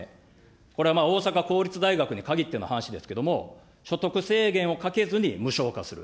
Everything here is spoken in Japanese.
これは大阪公立大学に限っての話ですけれども、所得制限をかけずに無償化する。